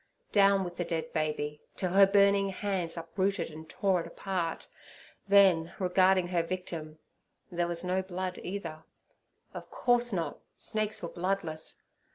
Down with the dead baby, till her burning hands uprooted and tore it apart; then—regarding her victim—there was no blood either. Of course not: snakes were bloodless.